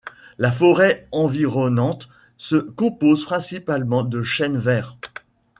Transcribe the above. La forêt environnante se compose principalement de chênes verts.